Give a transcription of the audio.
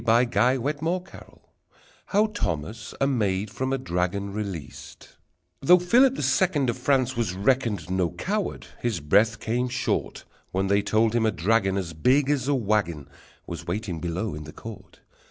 How Thomas a Maid from a Dragon Released Though Philip the Second Of France was reckoned No coward, his breath came short When they told him a dragon As big as a wagon Was waiting below in the court!